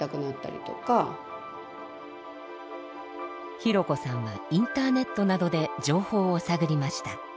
ひろこさんはインターネットなどで情報を探りました。